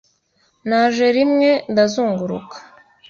Naje rimwe ndazunguruka